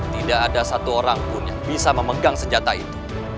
tidak ada satu orang pun yang bisa memegang senjata itu